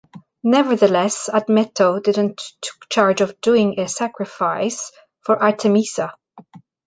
Nevertheless, Admeto didn’t took charge of doing a sacrifice for Artemisa.